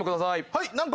はい何個？